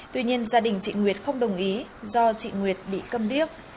tuy nhiên gia đình chị nguyệt không đồng ý do chị nguyệt bị cầm điếc